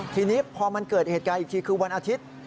ทีนี้พอมันเกิดเหตุการณ์อีกทีคือวันอาทิตย์